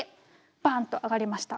バンと上がりました。